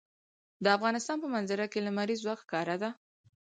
د افغانستان په منظره کې لمریز ځواک ښکاره ده.